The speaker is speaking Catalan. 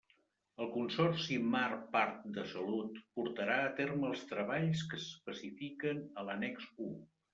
El Consorci Mar Parc de Salut portarà a terme els treballs que s'especifiquen a l'annex u.